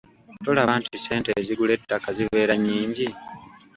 Tolaba nti ssente ezigula ettaka zibeera nnyingi?